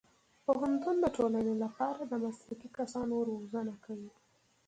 پوهنتون د ټولنې لپاره د مسلکي کسانو روزنه کوي.